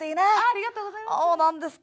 ありがとうございます。